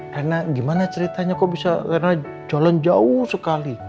rena gimana ceritanya kok bisa rena jalan jauh sekali